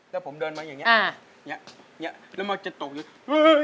แล้วผมเดินมาอย่างนี้อย่างนี้อย่างนี้แล้วมันจะตกอย่างนี้